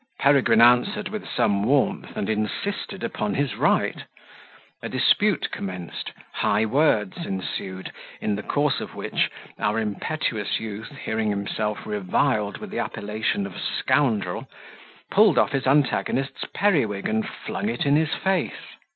Peregrine answered, with some warmth, and insisted upon his right: a dispute commenced, high words, ensued, in the course of which, our impetuous youth hearing himself reviled with the appellation of scoundrel, pulled off his antagonist's periwig, and flung it in his face.